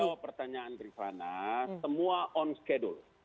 menjawab pertanyaan rifana semua on schedule